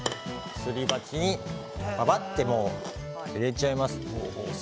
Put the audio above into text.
すり鉢にばばっと入れちゃいます。